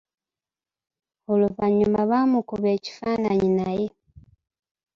Oluvannyuma baamukuba ekifaananyi naye.